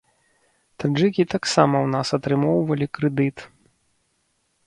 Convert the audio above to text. Таджыкі таксама ў нас атрымоўвалі крэдыт.